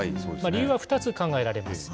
理由は２つ考えられます。